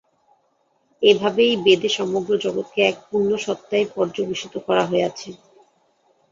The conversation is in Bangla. এইভাবেই বেদে সমগ্র জগৎকে এক পূর্ণ সত্তায় পর্যবসিত করা হইয়াছে।